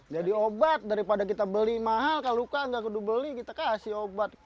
jadi obat daripada kita beli mahal kalau enggak kita beli kita kasih obat